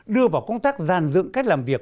đưa vào công tác dàn dựng cách làm việc